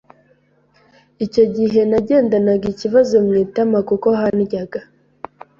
icyo gihe nagendanaga ikibazo mu itama kuko handyaga